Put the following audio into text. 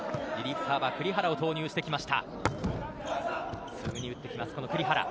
サーバー栗原を投入してきました。